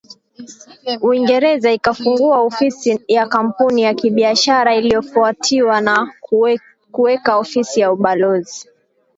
Uingereza ikafungua ofisi ya kampuni ya kibiashara iliyofuatiwa na kuweka ofisi ya ubalozi